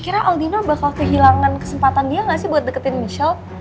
kira kira aldino bakal kehilangan kesempatan dia gak sih buat deketin michelle